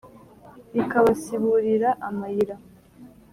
rikabasiburira amayira ?